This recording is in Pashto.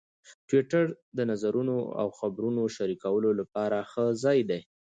ټویټر د نظرونو او خبرونو شریکولو لپاره ښه ځای دی.